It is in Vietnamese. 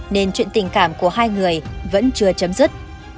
nên chuyện tình cảm của hai người vẫn chưa chấm dứt